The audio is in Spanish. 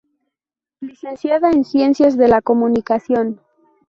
Licenciada en Ciencias de la Comunicación.